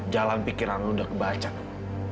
jalan pikiran lo udah kebaca nuk